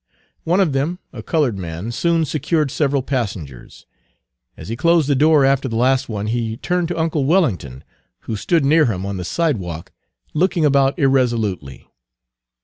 One of them, a colored man, soon secured several passengers. As he closed the door after the last one he turned to uncle Wellington, who stood near him on the sidewalk, looking about irresolutely.